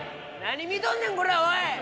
何見とんねんこらおい！